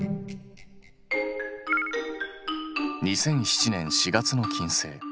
２００７年４月の金星。